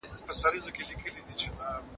غړي يې بايد پاک او صادق وي.